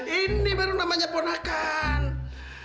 ini baru namanya ponakan